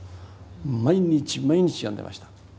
毎日毎日読んでました。